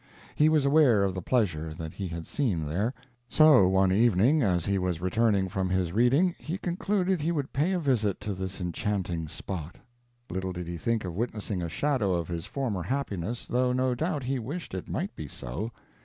He was aware of the pleasure that he had seen there. So one evening, as he was returning from his reading, he concluded he would pay a visit to this enchanting spot. Little did he think of witnessing a shadow of his former happiness, though no doubt he wished it might be so.